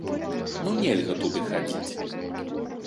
Ну нельга туды хадзіць!